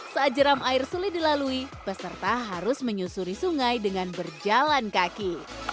saat jeram air sulit dilalui peserta harus menyusuri sungai dengan berjalan kaki